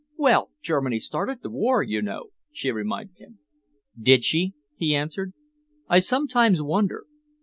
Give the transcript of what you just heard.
"Well, Germany started the war, you know," she reminded him. "Did she?" he answered. "I sometimes wonder.